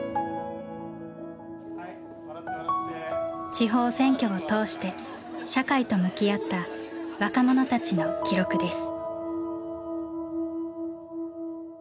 地方選挙を通して社会と向き合った若者たちの記録です。